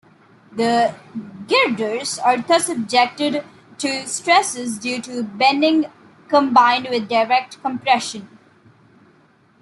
The girders are thus subjected to stresses due to bending combined with direct compression.